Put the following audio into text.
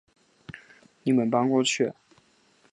你们搬过去